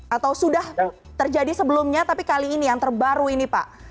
atau sudah terjadi sebelumnya tapi kali ini yang terbaru ini pak